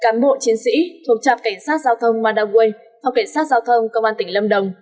một chiến sĩ thuộc trạp cảnh sát giao thông madaway và cảnh sát giao thông công an tỉnh lâm đồng